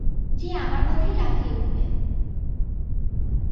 যে আমার কথায় লাফিয়ে উঠবে।